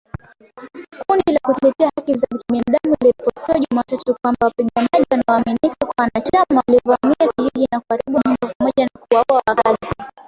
Kundi la kutetea haki za binadamu liliripoti Jumatatu kwamba wapiganaji wanaoaminika kuwa wanachama walivamia kijiji na kuharibu nyumba pamoja na kuwaua wakazi.